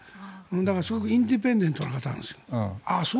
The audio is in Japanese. だから、すごくインディペンデントな方です。